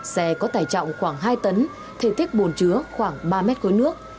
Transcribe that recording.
xe có tài trọng khoảng hai tấn thể thích bồn chứa khoảng ba mét khối nước